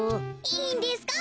いいんですか？